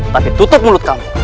tapi tutup mulut kamu